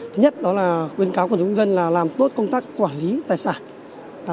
thứ nhất đó là khuyến cáo của chúng dân dân là làm tốt công tác quản lý tài sản